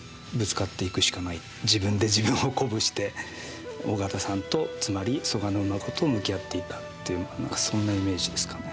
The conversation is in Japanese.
自分で自分を鼓舞して緒形さんとつまり蘇我馬子と向き合っていったっていうそんなイメージですかね。